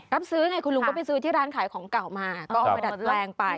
รับซื้อไงคุณลุงก็ไปซื้อที่ร้านขายของเก่ามาก็เอามาดัดแปลงไป